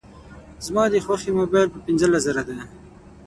زما د خوښي موبایل په پینځلس زره دی